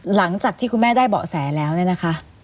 หลังจากที่คุณแม่ได้เบาะแสแล้วเนี่ยนะคะ